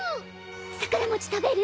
桜餅食べる？